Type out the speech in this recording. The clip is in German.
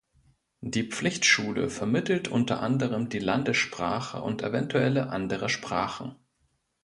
Die Pflichtschule vermittelt unter anderem die Landessprache und eventuelle andere Sprachen.